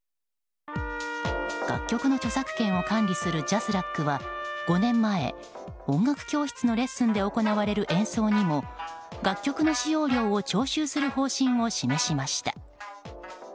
楽曲の著作権を管理するＪＡＳＲＡＣは５年前音楽教室のレッスンで行われる演奏にも楽曲の使用料を徴収する方針を示しました。